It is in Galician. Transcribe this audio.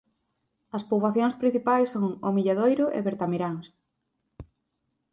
As poboacións principais son O Milladoiro e Bertamiráns.